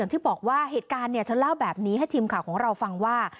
ที่บอกว่าเหตุการณ์เธอเล่าแบบนี้ให้ทีมข่าวของเราฟังว่า